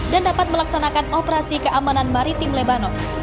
dan dapat melaksanakan operasi keamanan maritim lebanon